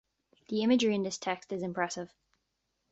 The imagery in this text is impressive.